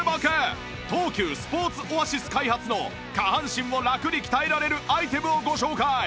東急スポーツオアシス開発の下半身をラクに鍛えられるアイテムをご紹介！